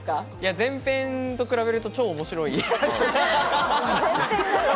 前編と比べると超面白い。